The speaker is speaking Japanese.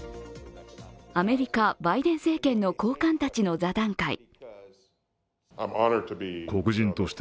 アメリカ・バイデン政権の高官たちの座談会。